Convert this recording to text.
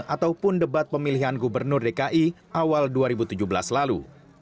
ataupun debat pemilihan gubernur dki awal dua ribu tujuh belas lalu